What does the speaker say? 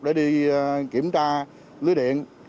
để đi kiểm tra lưới điện